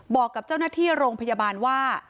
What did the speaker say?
บอกกับเจ้าหน้าที่โรงพยาบาลว่า